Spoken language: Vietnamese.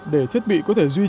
để thiết bị có thể duy trì